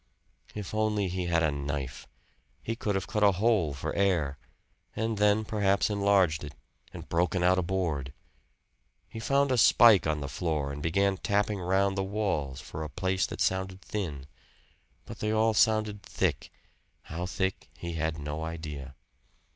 If only he had a knife. He could have cut a hole for air and then perhaps enlarged it and broken out a board. He found a spike on the floor and began tapping round the walls for a place that sounded thin; but they all sounded thick how thick he had no idea.